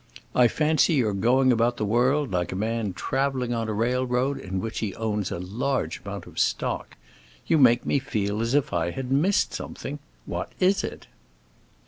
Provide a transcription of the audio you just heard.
I fancy you going about the world like a man traveling on a railroad in which he owns a large amount of stock. You make me feel as if I had missed something. What is it?"